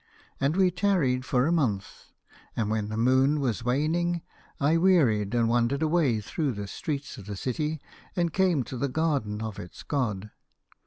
" And we tarried for a moon, and when the moon was waning, I wearied and wandered away through the streets of the city and came to the garden of its god.